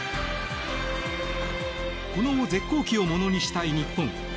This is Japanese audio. この絶好機をものにしたい日本。